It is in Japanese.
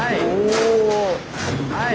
はい。